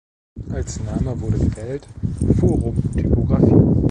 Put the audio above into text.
Als Name wurde gewählt „Forum Typografie“.